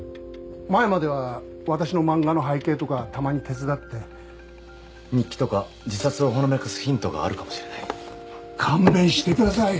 前までは私の漫画の背景とかたまに手伝って日記とか自殺をほのめかすヒントがあるかもしれない勘弁してください